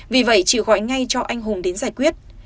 vì vậy chị gọi ngay cho anh hùng đến giải quyết